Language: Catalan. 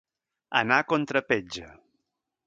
Anar a contrapetja.